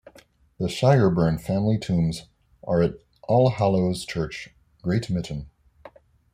The Shireburne family tombs are at All Hallows' Church, Great Mitton.